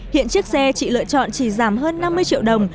hiện chiếc xe chị lựa chọn chỉ giảm hơn năm mươi triệu đồng